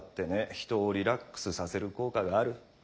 人をリラックスさせる効果がある。